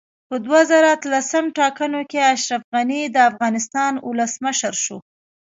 په دوه زره اتلسم ټاکنو کې اشرف غني دا افغانستان اولسمشر شو